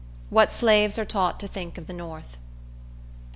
What Slaves Are Taught To Think Of The North.